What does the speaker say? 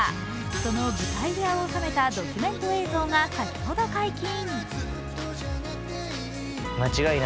その舞台裏を収めたドキュメント映像が先ほど解禁。